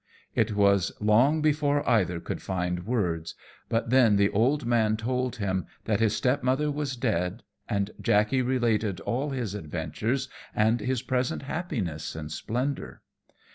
It was long before either could find words; but then the old man told him that his stepmother was dead; and Jackey related all his adventures, and his present happiness and splendour.